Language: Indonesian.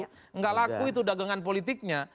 tidak laku itu dagangan politiknya